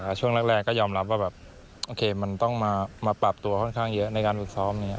ช่วงแรกก็ยอมรับว่าแบบโอเคมันต้องมาปรับตัวค่อนข้างเยอะในการฝึกซ้อม